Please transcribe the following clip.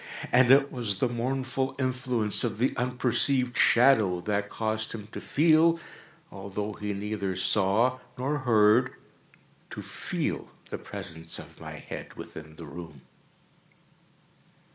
And it was the mournful influence of the unperceived shadow that caused him to feel—although he neither saw nor heard—to feel the presence of my head within the room.